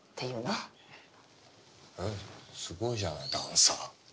へえすごいじゃないダンサー。